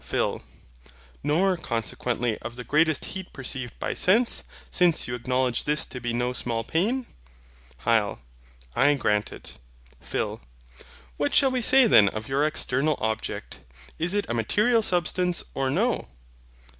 PHIL. Nor consequently of the greatest heat perceived by sense, since you acknowledge this to be no small pain? HYL. I grant it. PHIL. What shall we say then of your external object; is it a material Substance, or no?